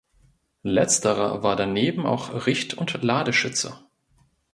Letzterer war daneben auch Richt- und Ladeschütze.